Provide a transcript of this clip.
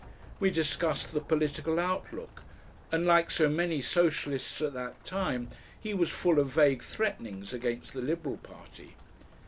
We discussed the political outlook, and, like so many Socialists at that time, he was full of vague threatenings against the Liberal party.